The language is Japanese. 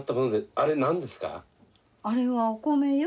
あれはお米よ。